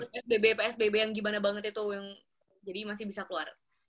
psbb psbb yang gimana banget itu yang jadi masih bisa keluar